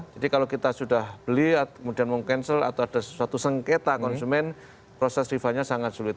jadi kalau kita sudah beli kemudian mau cancel atau ada suatu sengketa konsumen proses refundnya sangat sulit